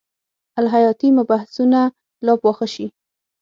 الهیاتي مبحثونه لا پاخه شي.